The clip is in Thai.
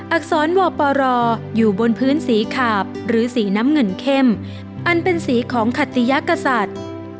อักษรวปรอยู่บนพื้นสีขาบหรือสีน้ำเงินเข้มอันเป็นสีของขติยกษัตริย์